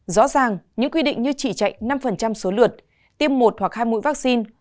rõ ràng những quy định như chỉ chạy năm số lượt tiêm một hoặc hai mũi vaccine